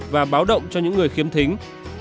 và báo động cho những người khiếm thính